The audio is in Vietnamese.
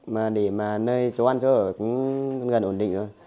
mà để mà nơi chỗ ăn chỗ ở cũng gần ổn định rồi